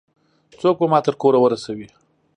څوک به ما تر کوره ورسوي؟